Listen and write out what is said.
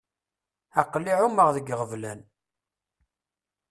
Aql-i εummeɣ deg iɣeblan.